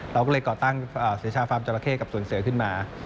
เราก็เลยก่อตั้งศิษย์ธรรมธานจอราเค้กับส่วนเสือขึ้นมา